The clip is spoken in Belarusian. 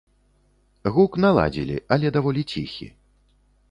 Гук наладзілі, але даволі ціхі.